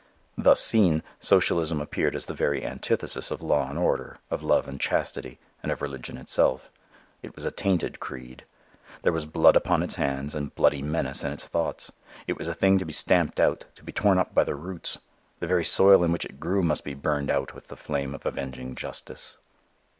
Thus seen, socialism appeared as the very antithesis of law and order, of love and chastity, and of religion itself. It was a tainted creed. There was blood upon its hands and bloody menace in its thoughts. It was a thing to be stamped out, to be torn up by the roots. The very soil in which it grew must be burned out with the flame of avenging justice.